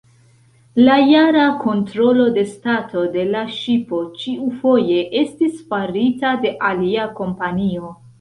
La jara kontrolo de stato de la ŝipo ĉiufoje estis farita de alia kompanio.